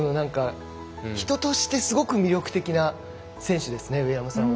人としてすごく魅力的な選手ですね、上山さんは。